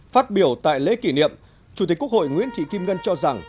phát biểu tại lễ kỷ niệm chủ tịch quốc hội nguyễn thị kim ngân cho rằng